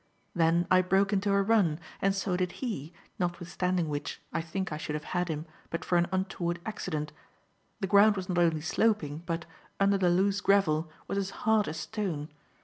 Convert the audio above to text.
Then I broke into a run, and so did he, notwithstanding which, I think I should have had him but for an untoward accident. The ground was not only sloping, but, under the loose gravel, was as hard as stone.